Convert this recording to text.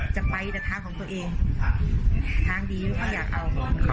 จะไปแต่ทางของตัวเองทางดีเขาถ้าอยากเอาฮะ